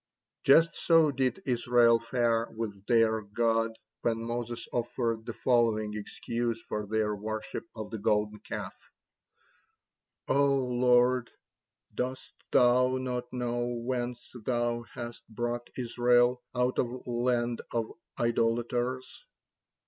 Just so did Israel fare with their God when Moses offered the following excuse for their worship of the Golden Calf: "O Lord, dost Thou not know whence Thou hast brought Israel, out of a land of idolaters?"